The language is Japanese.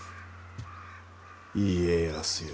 家康よ。